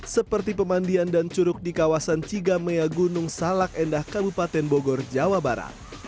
seperti pemandian dan curug di kawasan cigamea gunung salak endah kabupaten bogor jawa barat